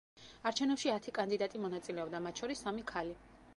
არჩვენებში ათი კანდიდატი მონაწილეობდა, მათ შორის სამი ქალი.